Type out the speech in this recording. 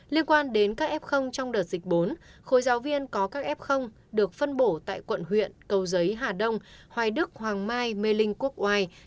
liên quan đến các f trong đợt dịch bốn khối giáo viên có các f được phân bổ tại quận huyện cầu giấy hà đông hoài đức hoàng mai mê linh quốc oai